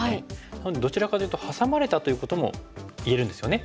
なのでどちらかというとハサまれたということも言えるんですよね。